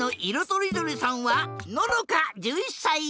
とりどりさんはののか１１さい。